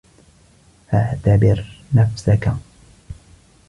فَاعْتَبِرْ نَفْسَك